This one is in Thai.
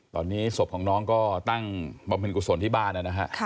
ตอนนี้ศพของน้องก็ตั้งบำเพ็ญกุศลที่บ้านนะฮะ